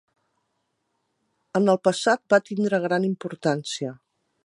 En el passat va tindre gran importància.